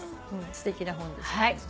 すてきな本でした。